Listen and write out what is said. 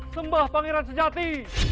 sembah pangeran sejati